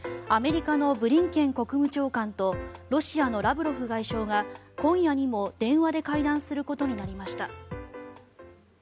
アメリカのブリンケン国務長官とロシアのラブロフ外相が今夜にも電話で会談することになりました。